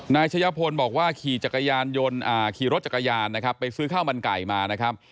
นายชะยะพลบอกว่าขี่รถจักรยานนะครับไปซื้อข้าวมันไก่มานะครับ